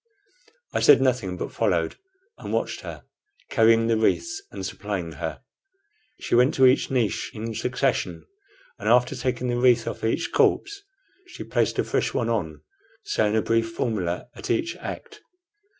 I said nothing, but followed and watched her, carrying the wreaths and supplying her. She went to each niche in succession, and after taking the wreath off each corpse she placed a fresh one on, saying a brief formula at each act.